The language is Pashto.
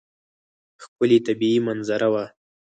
ښکلې طبیعي منظره وه.